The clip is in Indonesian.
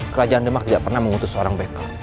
kerajaan demak tidak pernah mengutus seorang beckham